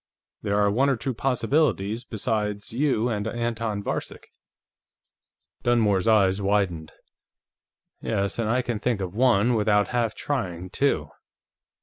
There are one or two possibilities besides you and Anton Varcek." Dunmore's eyes widened. "Yes, and I can think of one, without half trying, too!"